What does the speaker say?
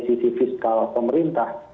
sisi fiskal pemerintah